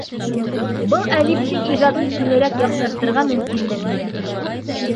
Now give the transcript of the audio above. Был әҙиптең ижадын киңерәк яҡтыртырға мөмкинлек бирә.